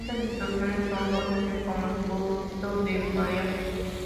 Estas distorsiones son conocidas como los bultos de mareas.